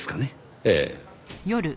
ええ。